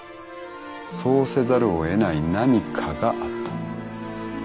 そうせざるを得ない何かがあった。